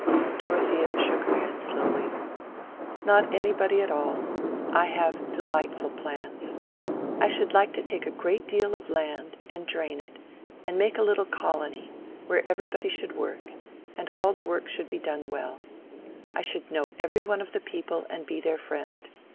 Dorothea shook her head slowly. "Not anybody at all. I have delightful plans. I should like to take a great deal of land, and drain it, and make a little colony, where everybody should work, and all the work should be done well. I should know every one of the people and be their friend.